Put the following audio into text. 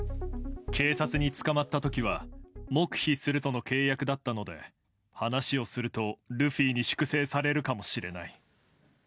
警察に捕まったときは黙秘するとの契約だったので、話をするとルフィに粛清されるかもしれない。